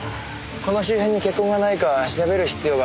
この周辺に血痕がないか調べる必要があると思います。